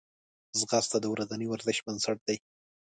ځغاسته د ورځني ورزش بنسټ دی